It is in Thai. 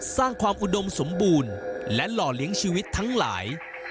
สร้างความอุดมสมบูรณ์และหล่อเลี้ยงชีวิตทั้งหลาย